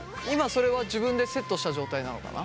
今それは自分でセットした状態なのかな？